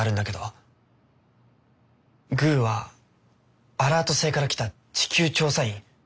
グーはアラート星から来た地球調査員？